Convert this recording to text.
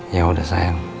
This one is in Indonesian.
ya udah sayang